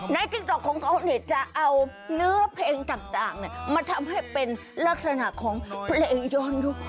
ติ๊กต๊อกของเขาจะเอาเนื้อเพลงต่างมาทำให้เป็นลักษณะของเพลงย้อนยุค